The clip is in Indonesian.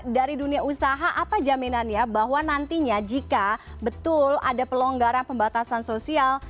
dari dunia usaha apa jaminannya bahwa nantinya jika betul ada pelonggaran pembatasan sosial